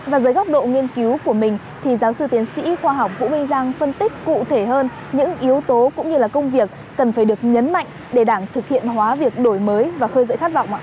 và dưới góc độ nghiên cứu của mình thì giáo sư tiến sĩ khoa học vũ minh giang phân tích cụ thể hơn những yếu tố cũng như công việc cần phải được nhấn mạnh để đảng thực hiện hóa việc đổi mới và khơi dậy khát vọng ạ